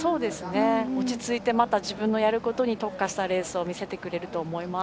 落ち着いてまた自分のやることに特化したレースを見せてくれると思います。